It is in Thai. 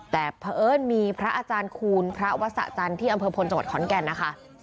แต่เพราะเอิ้นมีพระอาจารย์คูณพระวัสสะจันทร์ที่อำเภอพลจังหวัดขอนแก่นนะคะ